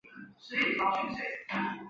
此站有池袋线与狭山线停靠。